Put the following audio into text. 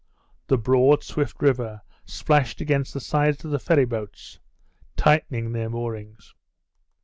The broad, swift river splashed against the sides of the ferryboats, tightening their moorings.